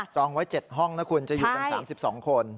ไว้๗ห้องนะคุณจะอยู่กัน๓๒คน